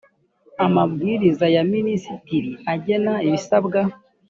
amabwiriza ya minisitiri agena ibisabwa